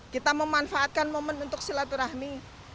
kita memanfaatkan momen untuk selatu rahmi